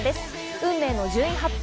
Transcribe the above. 運命の順位発表。